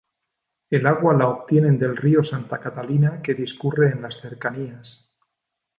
El agua la obtienen del río Santa Catalina que discurre en las cercanías.